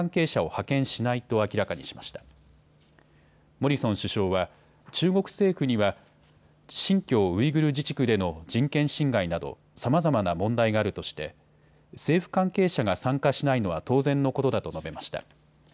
モリソン首相は中国政府には新疆ウイグル自治区での人権侵害などさまざまな問題があるとして政府関係者が参加しないのは当然のことだと述べました。